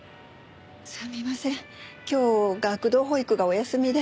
すみません今日学童保育がお休みで。